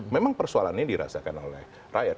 memang persoalannya dirasakan oleh rakyat